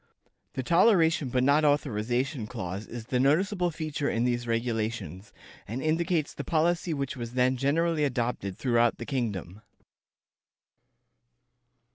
The "toleration but not authorization" clause is the noticeable feature in these regulations, and indicates the policy which was then generally adopted throughout the kingdom.